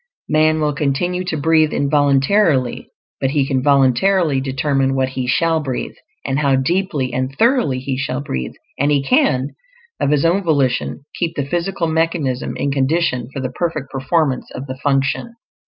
Man will continue to breathe involuntarily, but he can voluntarily determine what he shall breathe, and how deeply and thoroughly he shall breathe; and he can, of his own volition, keep the physical mechanism in condition for the perfect performance of the function.